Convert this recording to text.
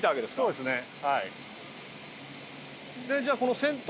そうですね。